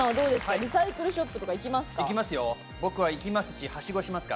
リサイクルショップに行きますか？